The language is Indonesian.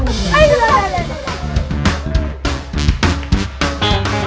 aku minta perdamaian aduh